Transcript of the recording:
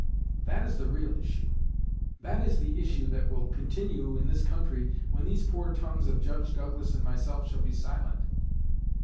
That is the real issue. That is the issue that will continue in this country when these poor tongues of Judge Douglas and myself shall be silent.